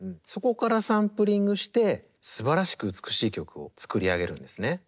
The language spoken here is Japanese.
そこからサンプリングしてすばらしく美しい曲を作り上げるんですね。